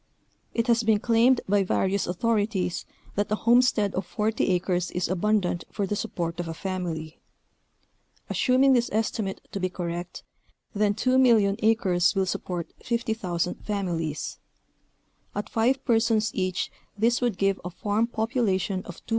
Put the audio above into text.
It has been claimed by various authorities that a homestead of forty acres is abundant for the support of a family, assuming this estimate to be correct, then 2,000,000 acres will support 50,000 families ; at five persons each this would give a farm population of 250,000.